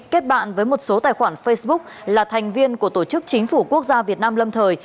kết bạn với một số tài khoản facebook là thành viên của tổ chức chính phủ quốc gia việt nam lâm thời